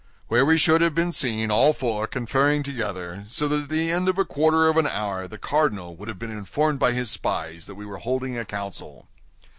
"Where we should have been seen all four conferring together, so that at the end of a quarter of an hour the cardinal would have been informed by his spies that we were holding a council."